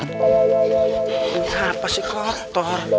ini apa sih kontor